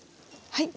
はい。